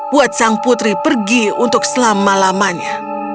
buat sang putri pergi untuk selama lamanya